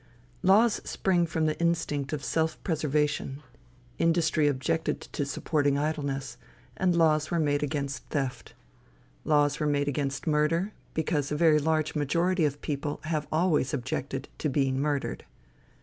Laws spring from the instinct of self preservation, Industry objected to supporting idleness, and laws were made against theft. Laws were made against murder, because a very large majority of the people have always objected to being murdered.